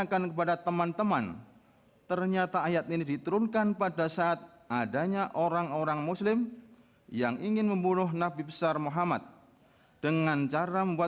kabupaten administrasi kepulauan seribu